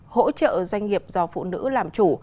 hỗ trợ doanh nghiệp do phụ nữ làm chủ